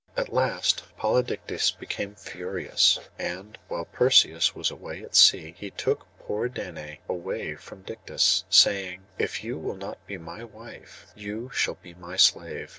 At last Polydectes became furious; and while Perseus was away at sea he took poor Danae away from Dictys, saying, 'If you will not be my wife, you shall be my slave.